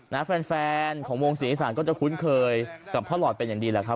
นะฟันของวงเสียงอีสานก็จะคุ้นเคยกับพระรอดเป็นอย่างดีแหละครับ